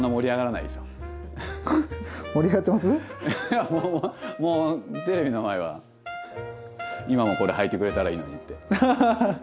いやもうテレビの前は今もこれはいてくれたらいいのにって。ハハハ。